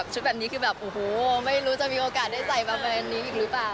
ชุดแบบนี้คือแบบไม่รู้จะมีโอกาสได้ใส่แบบนั้นหนึ่งอีกหรือเปล่า